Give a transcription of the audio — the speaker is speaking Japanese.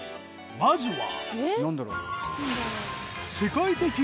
まずは。